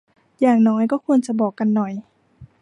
อย่างน้อยก็ควรจะบอกกันหน่อย